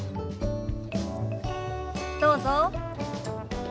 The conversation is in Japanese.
どうぞ。